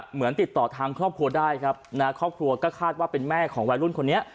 เหมือนติดต่อทางครอบครัวได้ครับนะครอบครัวก็คาดว่าเป็นแม่ของวัยรุ่นคนนี้